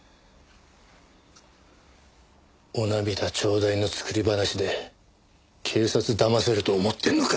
お涙頂戴の作り話で警察だませると思ってるのか？